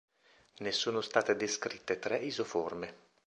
Ne sono state descritte tre isoforme.